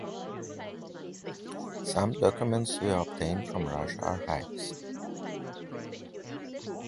Some documents were obtained from Russian archives.